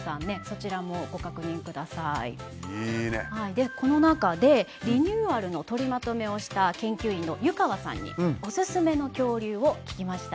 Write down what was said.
でこの中でリニューアルの取りまとめをした研究員の湯川さんにオススメの恐竜を聞きました。